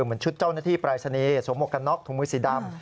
เหมือนชุดเจ้าหน้าที่ปรายศนีย์สวมหมวกกันน็อกถุงมือสีดำ